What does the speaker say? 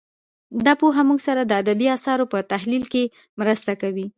دا پوهه موږ سره د ادبي اثارو په تحلیل کې مرسته کوي